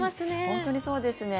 本当にそうですね。